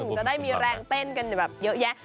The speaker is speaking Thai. เต้นก็มีแรงเต้นกันแบบเยอะ